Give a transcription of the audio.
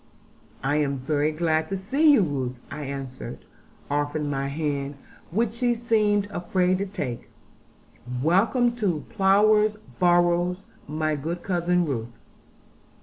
'I am very glad to see you, Ruth,' I answered, offering her my hand, which she seemed afraid to take, 'welcome to Plover's Barrows, my good cousin Ruth.'